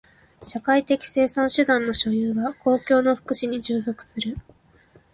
社会的生産手段の所有は公共の福祉に従属する。